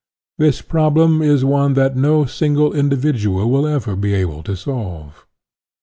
This problem is one that no single individual will ever be able to solve.